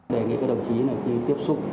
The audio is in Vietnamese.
đề nghị các đồng chí là khi tiếp xúc